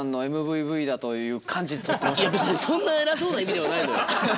いや別にそんな偉そうな意味ではないのよ。